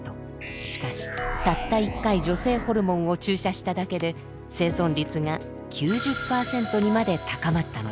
しかしたった一回女性ホルモンを注射しただけで生存率が９０％にまで高まったのです。